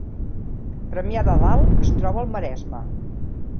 Premia de Dalt es troba al Maresme